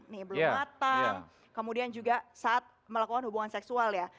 nih belum matang kemudian juga saat melakukan hubungan seksual ya